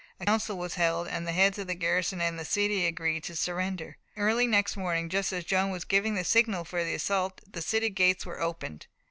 A council was held, and the heads of the garrison and the city agreed to surrender. Early next morning, just as Joan was giving the signal for the assault, the city gates were opened.